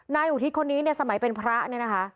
อุทิศคนนี้เนี่ยสมัยเป็นพระเนี่ยนะคะ